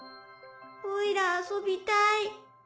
おいら遊びたい。